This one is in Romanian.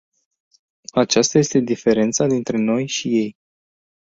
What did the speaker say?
Aceasta este diferența dintre noi și ei.